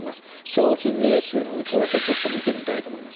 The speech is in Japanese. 消費税収の内訳を見てみたいと思います。